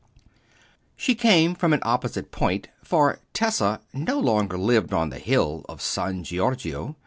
She came from an opposite point, for Tessa no longer lived on the hill of San Giorgio.